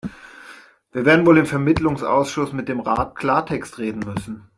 Wir werden wohl im Vermittlungsausschuss mit dem Rat Klartext reden müssen.